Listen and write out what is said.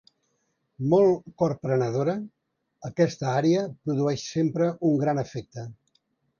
Molt corprenedora, aquesta ària produeix sempre un gran efecte.